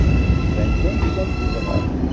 Iban kan tellam teẓram.